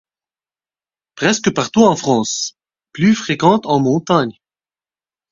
Presque partout en France, plus fréquente en montagne.